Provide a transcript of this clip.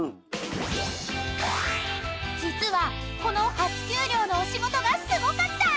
［実はこの初給料のお仕事がすごかった！］